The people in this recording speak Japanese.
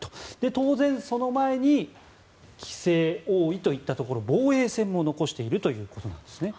当然、その前に棋聖、王位といったところ防衛戦も残しているということなんですね。